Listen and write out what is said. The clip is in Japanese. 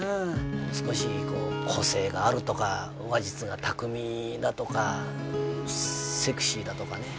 もう少しこう個性があるとか話術が巧みだとかセクシーだとかね。